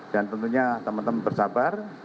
dan tentunya teman teman bersabar